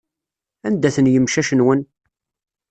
Anda-ten yimcac-nwen?